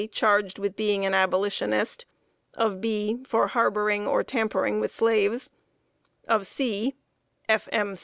charged with being an Abolitionist; of B., for harboring or tampering with slaves; of C. f. m.